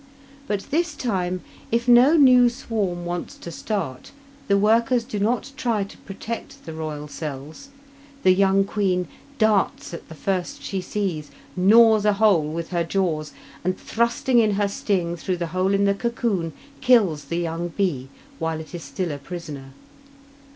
But this time, if no new swarm wants to start, the workers do not try to protect the royal cells. The young queen darts at the first she sees, gnaws a hole with her jaws, and, thrusting in her sting through the hole in the cocoon, kills the young bee while it is still a prisoner.